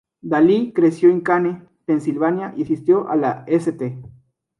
Daly creció en Kane, Pensilvania, y asistió a la St.